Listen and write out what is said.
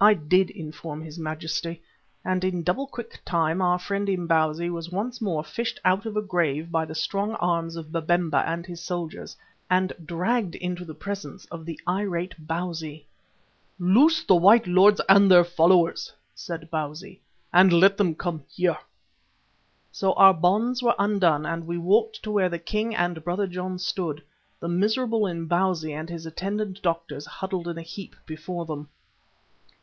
I did inform his Majesty, and in double quick time our friend Imbozwi was once more fished out of a grave by the strong arms of Babemba and his soldiers, and dragged into the presence of the irate Bausi. "Loose the white lords and their followers," said Bausi, "and let them come here." So our bonds were undone and we walked to where the king and Brother John stood, the miserable Imbozwi and his attendant doctors huddled in a heap before them.